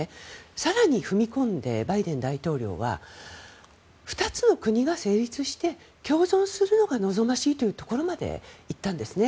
更に踏み込んでバイデン大統領は２つの国が成立して共存するのが望ましいというところまで言ったんですね。